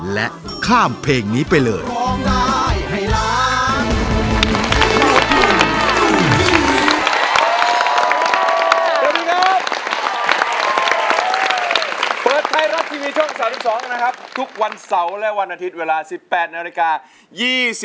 และข้ามเพลงนี้ไปเลย